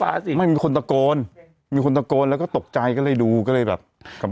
ไม่มีคนตะโกนมีคนตะโกนแล้วก็ตกใจก็เลยดูก็เลยแบบกับ